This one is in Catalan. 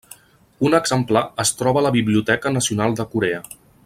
Un exemplar es troba a la Biblioteca Nacional de Corea.